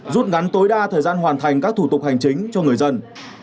rút ngắn tối đa thời gian hoàn thành các thủ tục hành chính cho người dân